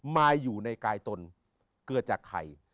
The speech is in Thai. มาอยู่ในกายตนเกิดจากใคร